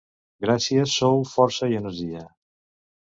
Gràcies sou força i energia.